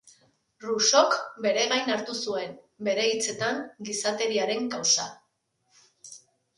Rousseauk bere gain hartu zuen, bere hitzetan, gizateriaren kausa.